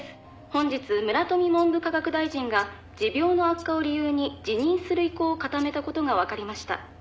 「本日村富文部科学大臣が持病の悪化を理由に辞任する意向を固めた事がわかりました」